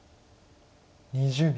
２０秒。